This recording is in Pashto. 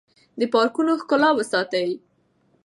د پارکونو ښکلا وساتئ.